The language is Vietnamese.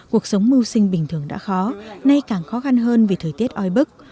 cuộc sống mưu sinh bình thường đã khó nay càng khó khăn hơn vì thời tiết oi bức